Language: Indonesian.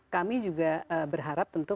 kami juga berharap tentu